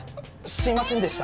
すいませんでした。